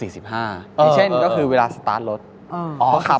อย่างเช่นก็คือเวลาสตาร์ทรถออกจากบ้าน